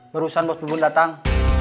berusaha bos pembun datang